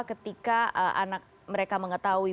ketika anak mereka mengetahui